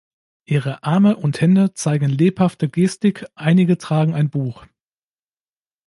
Ihre Arme und Hände zeigen lebhafte Gestik, einige tragen ein Buch.